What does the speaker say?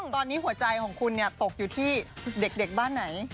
ตอนนี้หัวใจของคุณตกอยู่ที่เด็กบ้านไหน